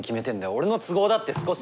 俺の都合だって少しは。